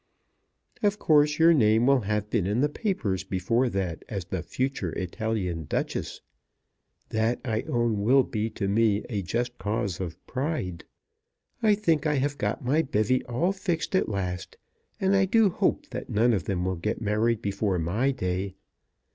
Of course your name will have been in the papers before that as the future Italian Duchess. That I own will be to me a just cause of pride. I think I have got my bevy all fixed at last, and I do hope that none of them will get married before my day.